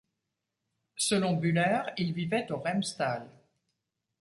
Selon Bühler, ils vivaient au Remstal.